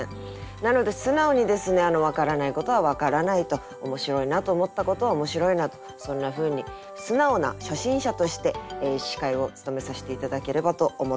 なので素直にですね分からないことは分からないと面白いなと思ったことは面白いなとそんなふうに素直な初心者として司会を務めさせて頂ければと思っております。